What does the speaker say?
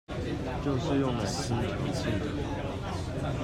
就是用奶精調製的